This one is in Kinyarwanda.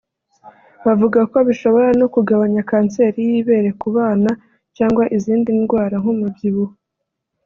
Bavuga ko bishobora no kugabanya kanseri y’ibere ku bana cyangwa izindi ndwara nk’umubyibuho